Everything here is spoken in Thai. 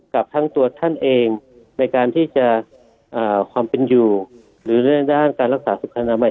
กับทั้งตัวท่านเองในการที่จะความเป็นอยู่หรือในด้านการรักษาสุขนามัย